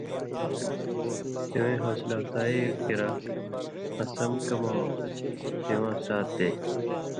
سِوَیں حوصلہ افزائی کراں آں سم کموں مہ سِواں ساتھ دېں۔